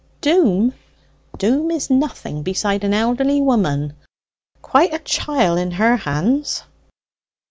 Doom? Doom is nothing beside a elderly woman quite a chiel in her hands!"